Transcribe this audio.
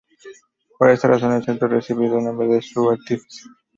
Por esta razón, el Centro recibió el nombre de su artífice.